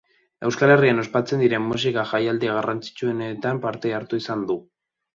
Euskal Herrian ospatzen diren musika-jaialdi garrantzitsuenetan parte hartu izan du.